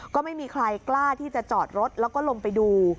ก็ไม่มีใครกล้าที่จะจอดรถแล้วก็ลงไปดู